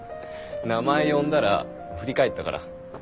名前呼んだら振り返ったから。